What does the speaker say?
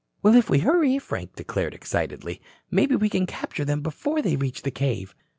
"Well, if we hurry," Frank declared excitedly, "maybe we can capture them before they reach the cave."